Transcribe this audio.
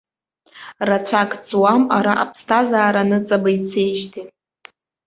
Рацәак ҵуам ара аԥсҭазара ныҵаба ицеижьҭеи!